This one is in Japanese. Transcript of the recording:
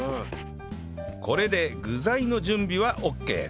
これで具材の準備はオッケー